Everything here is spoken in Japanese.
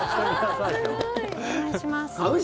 お願いします。